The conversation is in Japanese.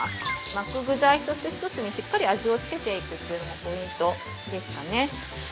巻く具材１つ１つにしっかり味をつけていくというのがポイントですかね。